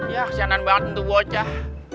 ya sianan banget untuk bocah